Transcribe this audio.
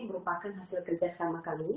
merupakan hasil kerja sama kali